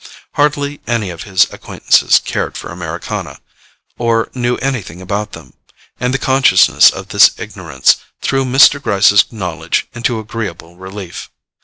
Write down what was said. Hardly any of his acquaintances cared for Americana, or knew anything about them; and the consciousness of this ignorance threw Mr. Gryce's knowledge into agreeable relief.